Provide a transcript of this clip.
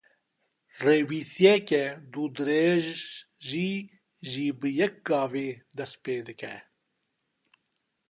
Rêwîtiyeke dûdirêjî jî bi yek gavê dest pê dike.